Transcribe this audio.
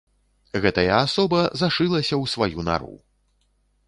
Гэтая асоба зашылася ў сваю нару.